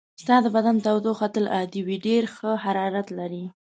ستا د بدن تودوخه تل عادي وي، ډېر ښه حرارت لرې.